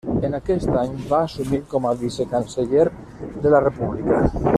En aquest any va assumir com a vicecanceller de la República.